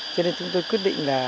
cho nên chúng tôi quyết định là